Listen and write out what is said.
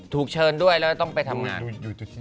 ถูกเชิญด้วยแล้วต้องไปทำงาน